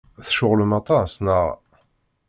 Tceɣlem aṭas, naɣ?